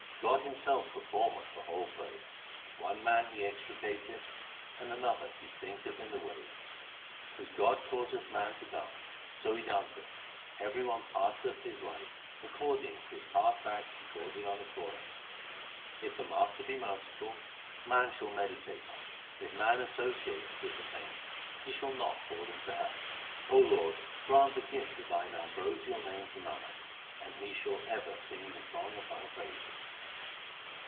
God Himself performeth the whole play ; One man He extricateth and another He sinketh in the wave. As God causeth man to dance so he danceth. Every one passeth his life according to his past acts recorded on his forehead. If the Master be merciful, man shall meditate on Him. If man associate with the saints, he shall not fall into hell. O Lord, grant the gift of Thine ambrosial name to Nanak, and he shall ever sing the song of Thy praises.